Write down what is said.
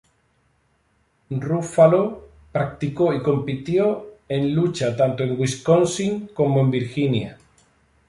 Ruffalo practicó y compitió en lucha tanto en Wisconsin como en Virginia.